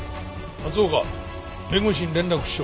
松岡弁護士に連絡しろ。